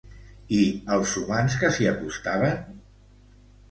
I als humans que s'hi acostaven?